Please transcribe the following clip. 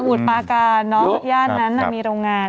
สมุดปราการเนอะย่านนั้นน่ะมีโรงงาน